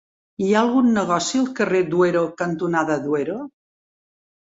Hi ha algun negoci al carrer Duero cantonada Duero?